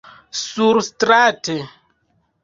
surstrate